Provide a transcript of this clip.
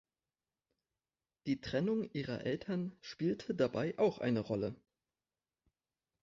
Die Trennung ihrer Eltern spielte dabei auch eine Rolle.